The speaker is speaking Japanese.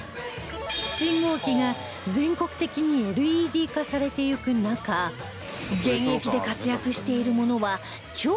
信号機が全国的に ＬＥＤ 化されていく中現役で活躍しているものは超激レアだといいます